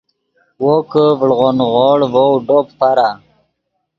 وو کہ ڤڑغو نیغوڑ ڤؤ ڈوپ فرا